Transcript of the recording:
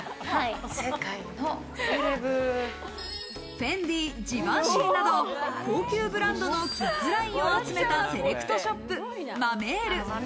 フェンディ、ジバンシィなど高級ブランドのキッズラインを集めたセレクトショップ、マ・メール。